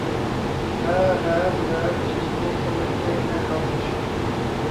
ہے غیب غیب‘ جس کو سمجھتے ہیں ہم شہود